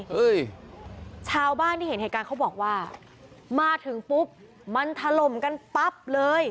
ชาวบ้านที่เห็นเหตุการณ์เขาบอกว่ามาถึงปุ๊บมันถล่มกันปั๊บเลย